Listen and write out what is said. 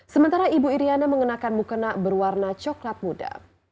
sementara ibu iryana mengenakan mukena berwarna coklat muda